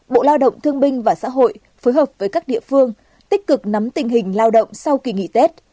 bộ lao động thương binh và xã hội phối hợp với các địa phương tích cực nắm tình hình lao động sau kỳ nghỉ tết